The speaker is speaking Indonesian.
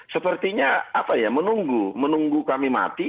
sepertinya menunggu kami mati